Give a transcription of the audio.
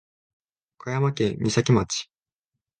岡山県美咲町